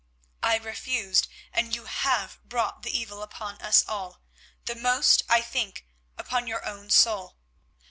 I refused, and you have brought the evil upon us all, but most, I think, upon your own soul.